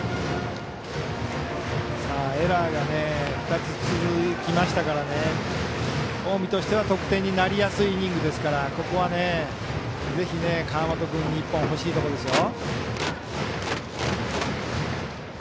エラーが２つ続きましたから近江としては得点になりやすいイニングですからここは、ぜひ川元君１本欲しいところですよ。